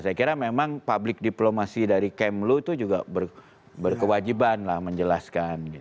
saya kira memang public diplomasi dari kemlu itu juga berkewajiban lah menjelaskan